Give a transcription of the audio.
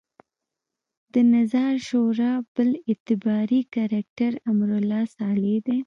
د نظار شورا بل اعتباري کرکټر امرالله صالح دی.